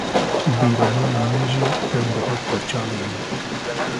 û bîranînên min jî tev dihat ber çavên min